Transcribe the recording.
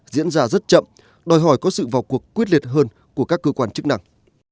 diễn ra rất chậm đòi hỏi có sự vào cuộc quyết liệt hơn của các cơ quan chức năng